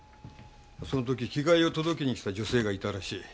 その時着替えを届けにきた女性がいたらしい。